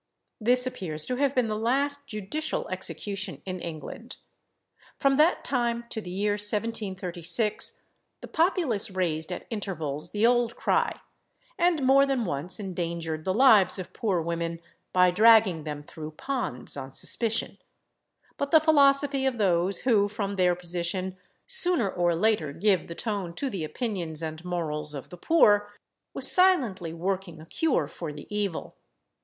This appears to have been the last judicial execution in England. From that time to the year 1736, the populace raised at intervals the old cry, and more than once endangered the lives of poor women by dragging them through ponds on suspicion; but the philosophy of those who, from their position, sooner or later give the tone to the opinions and morals of the poor, was silently working a cure for the evil.